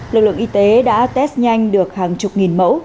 lực lượng y tế đã test nhanh được hàng chục nghìn mẫu